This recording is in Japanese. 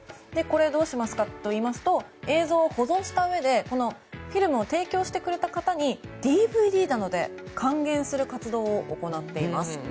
どうするかというと映像を保存したうえでフィルムを提供してくれた方にＤＶＤなどで還元する活動を行っています。